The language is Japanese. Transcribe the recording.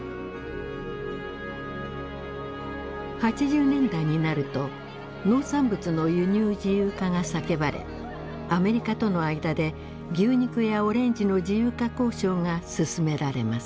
８０年代になると農産物の輸入自由化が叫ばれアメリカとの間で牛肉やオレンジの自由化交渉が進められます。